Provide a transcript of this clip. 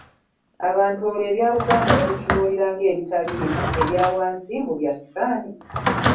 Abantu olwo ebya Buganda babitunuulira ng’ebitaliimu, ebya wansi, mbu bya Sitaani